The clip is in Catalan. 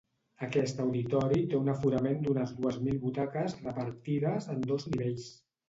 Aquest auditori té un aforament d’unes dues mil butaques repartides en dos nivells.